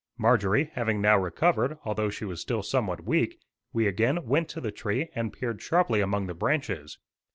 Marjorie, having now recovered, although she was still somewhat weak, we again went to the tree and peered sharply among the branches.